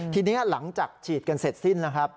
ทีนี้หลังจากฉีดกันเสร็จสิ้น